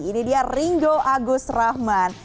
ini dia ringo agus rahman